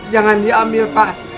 jangan diambil pak